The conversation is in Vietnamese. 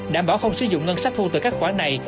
đảm bảo không sử dụng ngân sách thu từ các khoản này